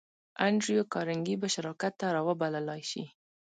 انډريو کارنګي به شراکت ته را وبللای شې؟